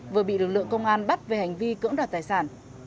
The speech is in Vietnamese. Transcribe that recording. vừa bị lực lượng công an bắt về hành vi cưỡng đoạt tài sản